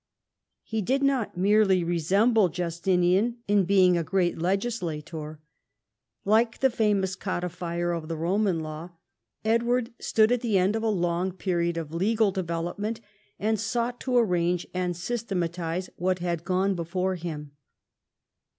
He did not merely resemble Justinian in being a great legislator. Like the famous codifier of the Roman law, Edward stood at the end of a long period of legal development, and sought to arrange and systematise what had gone before him.